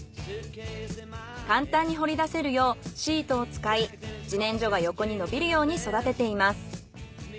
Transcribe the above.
簡単に掘り出せるようシートを使い自然薯が横に伸びるように育てています。